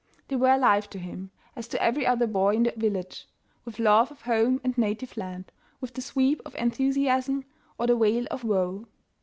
They were alive to him, as to every other boy in the village, with love of home and native land, with the sweep of enthusiasm, or the wail of woe.